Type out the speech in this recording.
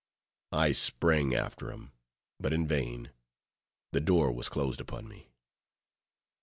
I sprang after him, but in vain; the door was closed upon me.